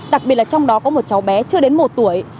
đặc biệt là trong đó có một cháu bé chưa đến một tuổi